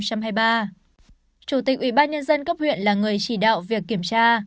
chủ tịch ủy ban nhân dân cấp huyện là người chỉ đạo việc kiểm tra